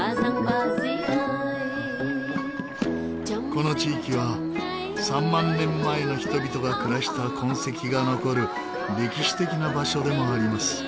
この地域は３万年前の人々が暮らした痕跡が残る歴史的な場所でもあります。